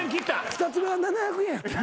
２つ目は７００円やった。